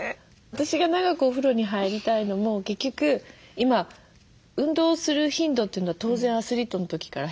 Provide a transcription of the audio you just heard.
私が長くお風呂に入りたいのも結局今運動する頻度というのは当然アスリートの時から減ってるんですよね。